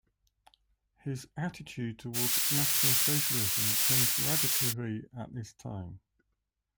His attitude towards National Socialism changed radically at this time.